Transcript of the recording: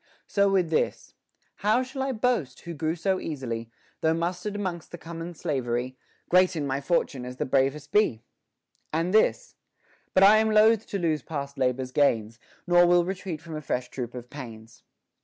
So with this : How shall I boast, who grew so easily, Though mustered 'mongst the common soldiery; Great in my fortune as the bravest be 1 And this But I am loath to lose past labor's gains ; Nor will retreat from a fresh troop of pains.